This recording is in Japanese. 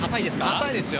堅いですよ。